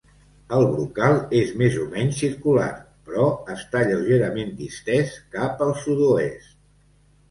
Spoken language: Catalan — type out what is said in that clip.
El brocal és més o menys circular, però està lleugerament distès cap al sud-oest.